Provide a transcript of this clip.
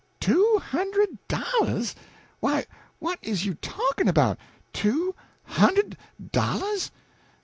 "Two hund'd dollahs! Why, what is you talkin' 'bout? Two hund'd dollahs.